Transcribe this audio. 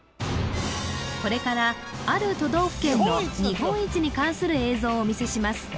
これからある都道府県の日本一に関する映像をお見せします